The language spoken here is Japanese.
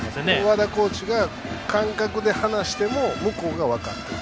和田コーチが感覚で話しても向こうが分かってくれる。